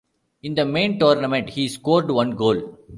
In the main tournament he scored one goal.